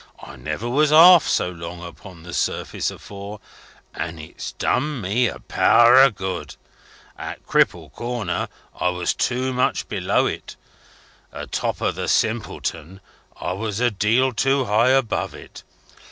I never was half so long upon the surface afore, and it's done me a power of good. At Cripple Corner, I was too much below it. Atop of the Simpleton, I was a deal too high above it.